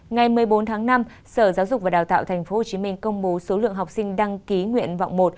ngày một mươi bốn tháng năm sở giáo dục và đào tạo tp hcm công bố số lượng học sinh đăng ký nguyện vọng một